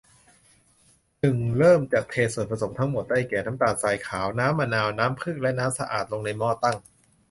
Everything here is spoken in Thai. หนึ่ง เริ่มจากเทส่วนผสมทั้งหมด ได้แก่ น้ำตาลทรายขาว น้ำมะนาว น้ำผึ้ง และน้ำสะอาด ลงในหม้อตั้ง